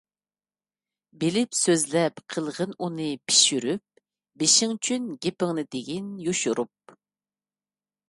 بىلىپ سۆزلەپ، قىلغىن ئۇنى پىشۇرۇپ، بېشىڭچۈن گېپىڭنى دېگىن يوشۇرۇپ.